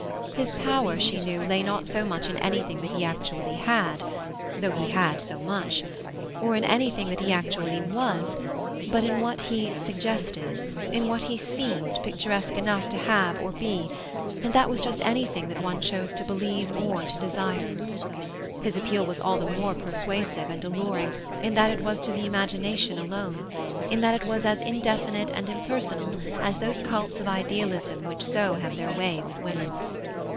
His power, she knew, lay not so much in anything that he actually had though he had so much or in anything that he actually was, but in what he suggested, in what he seemed picturesque enough to have or be and that was just anything that one chose to believe or to desire. His appeal was all the more persuasive and alluring in that it was to the imagination alone, in that it was as indefinite and impersonal as those cults of idealism which so have their way with women.